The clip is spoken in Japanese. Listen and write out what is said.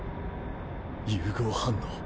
融合反応。